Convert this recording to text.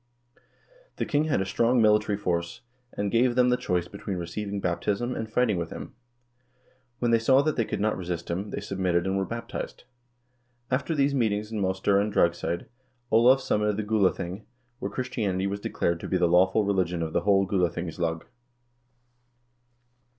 The king had a strong military force, and gave them the choice between receiving baptism, and fighting with him. When they saw that they could not resist him, they submitted and were baptized. After these meet ings in Moster and Dragseid, Olav summoned the Gulathing, where Christianity was declared to be the lawful religion of the whole Gulathingslag.